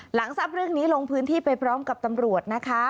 หลังทราบเรื่องนี้ลงพื้นที่ไปพร้อมกับตำรวจนะคะ